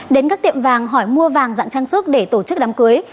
đến các tiệm vàng hỏi mua vàng dạng trang sức để tổ chức đám cưới